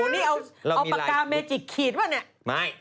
นี่เอาปากกาเมจิกขีดป่ะเนี่ยไม่